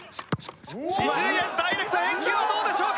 一塁へダイレクト返球はどうでしょうか？